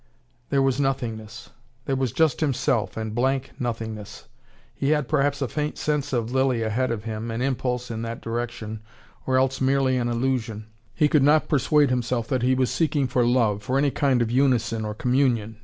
There was nothingness. There was just himself, and blank nothingness. He had perhaps a faint sense of Lilly ahead of him; an impulse in that direction, or else merely an illusion. He could not persuade himself that he was seeking for love, for any kind of unison or communion.